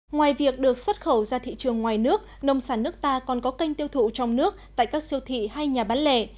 ngoài việc được xuất khẩu ra thị trường ngoài nước nông sản nước ta còn có kênh tiêu thụ trong nước tại các siêu thị hay nhà bán lẻ